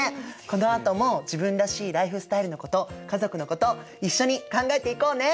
このあとも自分らしいライフスタイルのこと家族のこと一緒に考えていこうね。